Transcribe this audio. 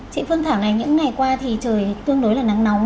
chị phương thảo này những ngày qua thì trời tương đối là nắng nóng